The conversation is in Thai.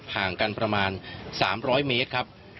ห่างกันประมาณ๓๐๐เมตรครับ